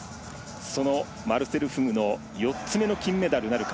そのマルセル・フグの４つ目の金メダルなるか。